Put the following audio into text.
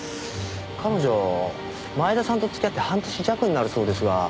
彼女前田さんと付き合って半年弱になるそうですが。